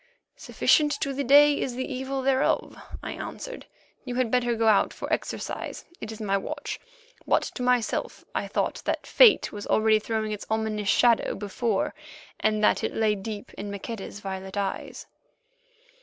"Sufficient to the day is the evil thereof," I answered; "you had better go out for exercise; it is my watch." But to myself I thought that Fate was already throwing its ominous shadow before, and that it lay deep in Maqueda's violet eyes.